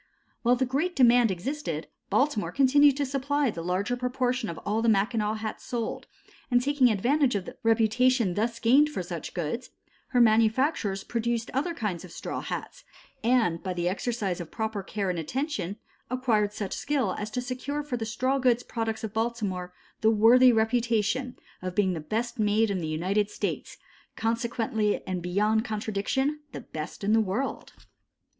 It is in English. While the great demand existed, Baltimore continued to supply the larger proportion of all the Mackinaw hats sold, and taking advantage of the reputation thus gained for such goods, her manufacturers produced other kinds of straw hats, and by the exercise of proper care and attention acquired such skill as to secure for the straw goods products of Baltimore the worthy reputation of being the best made in the United States, consequently and beyond contradiction the best in the world.